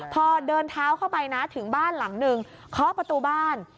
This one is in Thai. พอเดินเท้าเข้าไปนะถึงบ้านหลังนึงเคาะประตูบ้าน